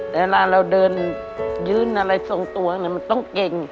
แต่เวลาเราเดินยื่นอะไรทรงตัวมันต้องเก่ง